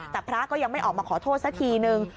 แต่พระก็ยังไม่ออกมาขอโทษสักทีนึง